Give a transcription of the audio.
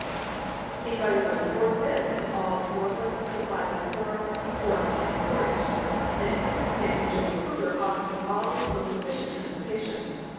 It guarded more than foui' fifths of all Norfolk's snpplies of corn, pork, and forage, and it cut the command of General Huger off from all of its most efficient transportation.